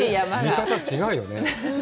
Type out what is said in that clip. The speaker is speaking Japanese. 見方が違うよね。